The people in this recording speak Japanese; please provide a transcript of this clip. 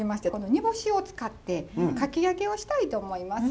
煮干しを使ってかき揚げをしたいと思います。